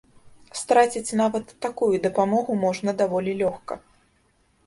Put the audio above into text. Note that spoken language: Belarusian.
Страціць нават такую дапамогу можна даволі лёгка.